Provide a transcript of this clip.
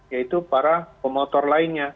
yaitu para promotor lainnya